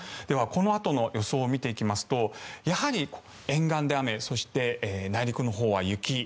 では、このあとの予想を見ていきますとやはり沿岸で雨そして内陸のほうは雪。